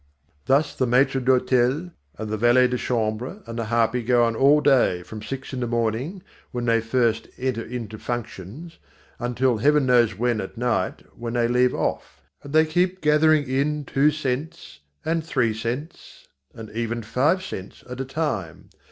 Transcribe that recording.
Thus the maître d'hôtel and the valet de chambre and the harpy go on all day, from six in the morning when they first "enter into functions" until heaven knows when at night when they leave off, and they keep gathering in two cents and three cents and even five cents at a time.